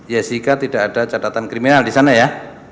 jessica tidak ada catatan kriminal di sana ya